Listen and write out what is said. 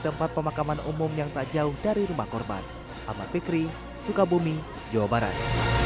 tempat pemakaman umum yang tak jauh dari rumah korban ahmad fikri sukabumi jawa barat